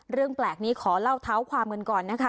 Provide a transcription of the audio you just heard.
เรื่องแปลกนี้ขอเล่าเท้าความกันก่อนนะคะ